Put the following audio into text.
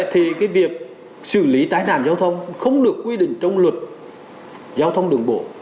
thì cái việc xử lý tai nạn giao thông không được quy định trong luật giao thông đường bộ